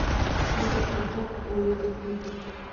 موزیک له زړه نه اورېدل کېږي.